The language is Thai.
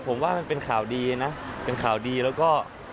ผมว่ามันเป็นข่าวดีนะเป็นข่าวดีแล้วก็